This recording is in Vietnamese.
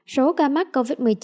số ca mắc covid một mươi chín